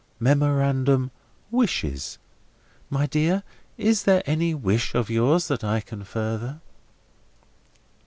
Memorandum, 'Wishes.' My dear, is there any wish of yours that I can further?"